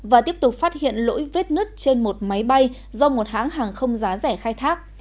và tiếp tục phát hiện lỗi vết nứt trên một máy bay do một hãng hàng không giá rẻ khai thác